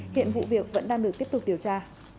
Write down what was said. hiện vụ việc vẫn đang được tiếp tục điều tra